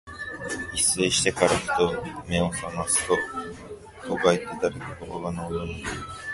一睡してから、ふと眼めを覚ますと、戸外で誰かが我が名を呼んでいる。